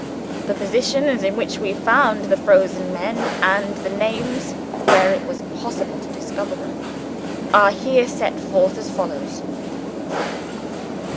The positions in which we found the frozen men, and the names, where it was possible to discover them, are here set forth as follows."...